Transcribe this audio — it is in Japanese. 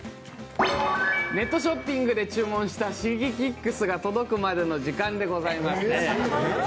ネットショッピングで注文したシゲキックスが届くまでの時間でございます。